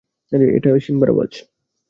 এটা সিম্বার আওয়াজ।